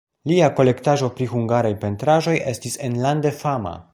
Lia kolektaĵo pri hungaraj pentraĵoj estis enlande fama.